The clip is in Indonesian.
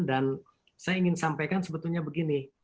dan saya ingin sampaikan sebetulnya begini